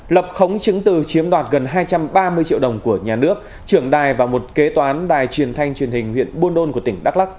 lập khống chứng từ chiếm đoạt gần hai trăm ba mươi triệu đồng của nhà nước trưởng đài và một kế toán đài truyền thanh truyền hình huyện buôn đôn của tỉnh đắk lắc